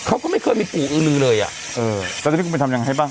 เขาก็ไม่เคยมีปู่อือลือเลยอะ